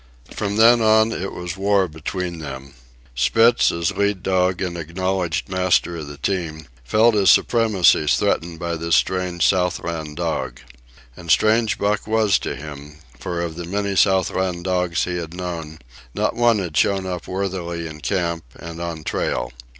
From then on it was war between them. Spitz, as lead dog and acknowledged master of the team, felt his supremacy threatened by this strange Southland dog. And strange Buck was to him, for of the many Southland dogs he had known, not one had shown up worthily in camp and on trail.